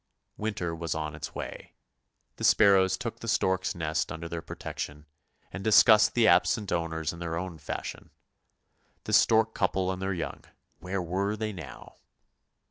Winter was on its way. The sparrows took the storks' nest under their protection, and discussed the absent owners in their own fashion. The stork couple and their young — where were they now?